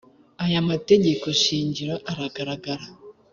aya mategeko shingiro aragaragara